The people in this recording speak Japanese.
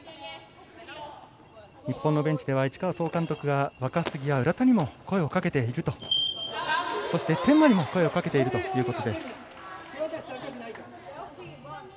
日本のベンチでは市川総監督が若杉や浦田に声をかけそして天摩にも声をかけているということです。